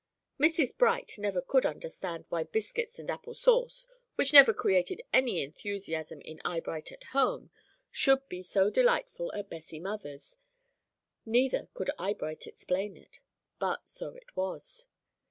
Mrs. Bright never could understand why biscuits and apple sauce, which never created any enthusiasm in Eyebright at home, should be so delightful at Bessie Mather's, neither could Eyebright explain it, but so it was.